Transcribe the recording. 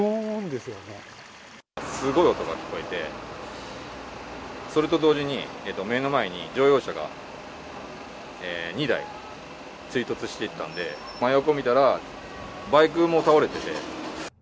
すごい音が聞こえて、それと同時に、目の前に乗用車が２台、追突していったんで、真横見たら、バイクも倒れてて。